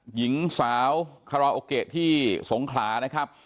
หญิงสาวคาราโอเกะที่สงขลานะครับ